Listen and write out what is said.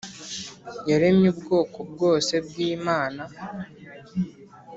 yaremye ubwoko bwose bwi mana